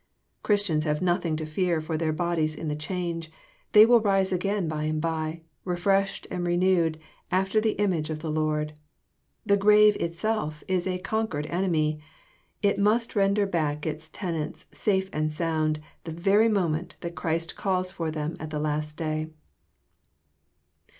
Christians have nothing to fear for their bodies in the change ; they will rise again by and by, refreshed and renewed, after the imsLge of the Lord. The grave itself is a conquered enemy. It must render back its tenants safe and sound, the very moment that Christ calls for them at the last day.